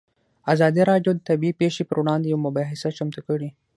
ازادي راډیو د طبیعي پېښې پر وړاندې یوه مباحثه چمتو کړې.